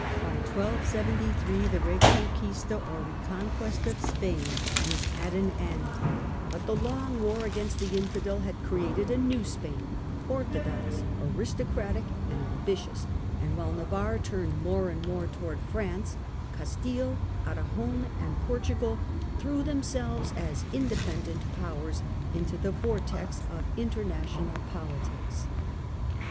By 1273 the reconquista or reconquest of Spain was at an end, but the long war against the infidel had created a new Spain, orthodox, aristocratic and ambitious, and while Navarre turned more and more towards France, Castile, Aragon and Portugal threw themselves as independent powers into the vortex of international politics.